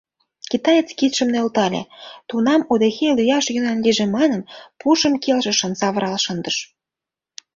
Китаец кидшым нӧлтале, тунам удэхей лӱяш йӧнан лийже манын, пушым келшышын савырал шындыш.